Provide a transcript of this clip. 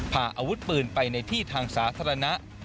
พาอาวุธปืนไปในที่ทางสาธารณะ